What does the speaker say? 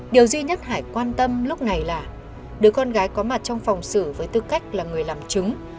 điều duy nhất hải quan tâm lúc này là đứa con gái có mặt trong phòng xử với tư cách là người làm chứng